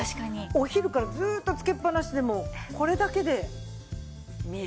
お昼からずっとつけっぱなしでもこれだけで見える。